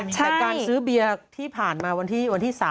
แต่การซื้อเบียร์ที่ผ่านมาวันที่๓